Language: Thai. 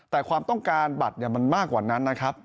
แต่ความต้องการบัตรมันมากกว่านั้นนะครับ